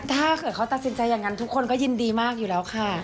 ถ้าเกิดเขาตัดสินใจอย่างนั้นทุกคนก็ยินดีมากอยู่แล้วค่ะ